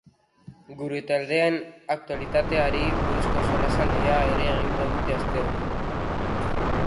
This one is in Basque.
Gure taldeen aktualitateari buruzko solasaldia ere egingo dute astero.